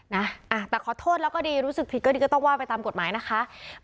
นะแต่ขอโทษแล้วก็ดีรู้สึกผิดก็ดีก็ต้องว่าไปตามกฎหมายนะคะ